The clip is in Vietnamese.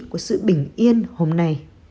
của sự bình yên hôm nay